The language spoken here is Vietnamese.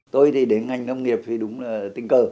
tôi thì đến ngành nông nghiệp thì đúng là tình cờ